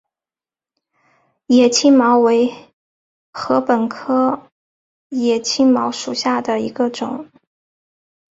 野青茅为禾本科野青茅属下的一个种。